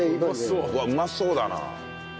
うわうまそうだな。